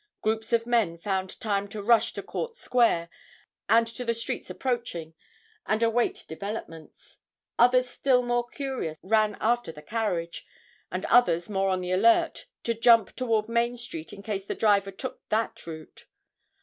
Groups of men found time to rush to Court Square, and to the streets approaching and await developments. Others still more curious ran after the carriage, and others more on the alert, to jump toward Main street in case the driver took that route.